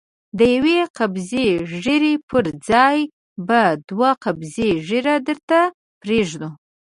د يوې قبضې ږيرې پر ځای به دوې قبضې ږيره درته پرېږدو.